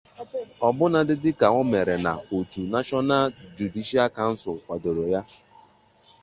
ọbụnadị dịka o mere na òtù 'National Judicial Council' kwàdòrò ya